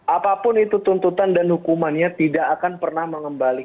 apapun itu tuntutan dan hukumannya tidak akan pernah mengembalikan